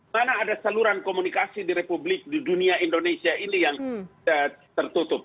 mana ada saluran komunikasi di republik di dunia indonesia ini yang tertutup